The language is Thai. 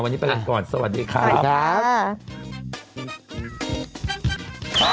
วันนี้ไปกันก่อนสวัสดีครับ